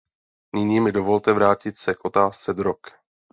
Nyní mi dovolte vrátit se k otázce drog.